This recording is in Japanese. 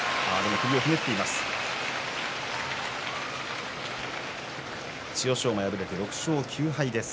首をひねっています。